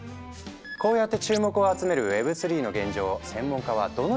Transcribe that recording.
こうやって注目を集めるＷｅｂ３の現状を専門家はどのように見ているのか。